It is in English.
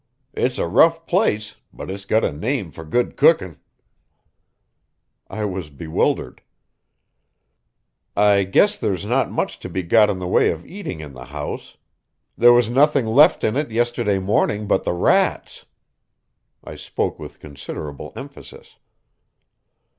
It's a rough place, but it's got a name for good cooking." I was bewildered. "I guess there's not much to be got in the way of eating in the house. There was nothing left in it yesterday morning but the rats." I spoke with considerable emphasis.